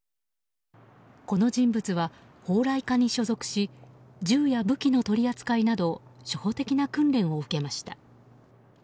この人物は砲雷科に所属し銃や武器の取り扱いなど初歩的な訓練を受けました。